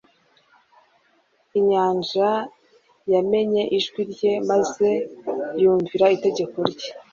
Inyanja yamenye ijwi rye, maze ymuvira itegeko rye.